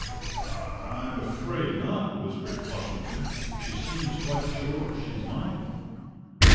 "I I'm afraid not," whispered Flushington; "she seems quite sure she's mine."